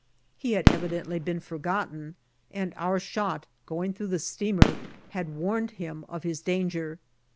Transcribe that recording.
He had evidently been forgotten and our shot going through the steamer had warned him of his danger.